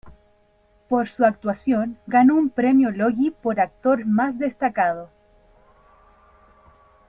Por su actuación ganó un premio logie por actor más destacado.